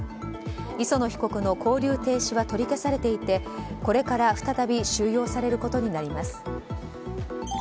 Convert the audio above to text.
磯野被告の勾留停止は取り消されていてこれから再び収容されることになります。